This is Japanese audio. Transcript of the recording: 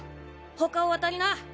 ほかを当たりな。